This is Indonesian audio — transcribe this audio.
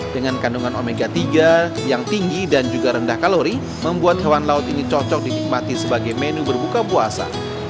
dengan kandungan omega tiga yang tinggi dan juga rendah kalori membuat hewan laut ini cocok dinikmati sebagai menu berbuka puasa